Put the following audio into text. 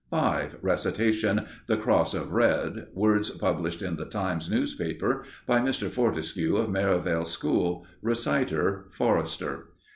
5. Recitation, "The Cross of Red." Words (published in "The Times" newspaper) by Mr. Fortescue of Merivale School. Reciter, Forrester.